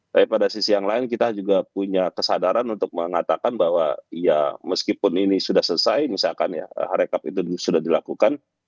tapi pada sisi yang lain kita juga punya kesadaran untuk mengatakan bahwa ya meskipun ini sudah selesai misalkan ya rekap itu sudah dilakukan